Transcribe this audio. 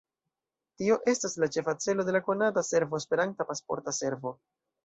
Tio estas la ĉefa celo de la konata servo esperanta Pasporta Servo.